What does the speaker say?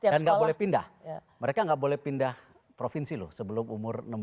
dan gak boleh pindah mereka gak boleh pindah provinsi loh sebelum umur enam belas